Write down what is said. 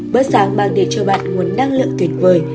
bữa sáng mang đến cho bạn nguồn năng lượng tuyệt vời